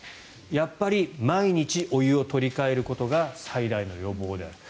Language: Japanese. やっぱり毎日、お湯を取り換えることが最大の予防であると。